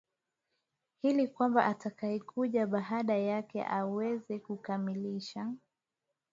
ili kwamba atakayekuja baada yake aweze kukamilisha